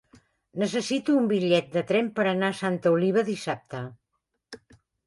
Necessito un bitllet de tren per anar a Santa Oliva dissabte.